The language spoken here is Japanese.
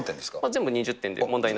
全部２０点で問題ない。